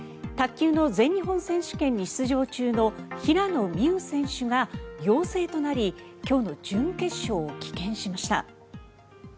卓球の全日本選手権に出場中の平野美宇選手が陽性となり今日の準決勝を棄権しました。